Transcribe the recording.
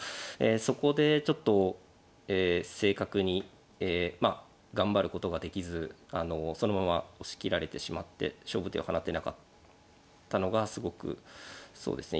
そこでちょっと正確にまあ頑張ることができずそのまま押し切られてしまって勝負手を放てなかったのがすごくそうですね